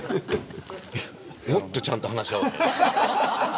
もっとちゃんと話し合おうな。